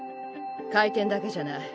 回転だけじゃない。